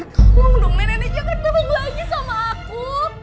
tolong dong nenek jangan berbohong lagi sama aku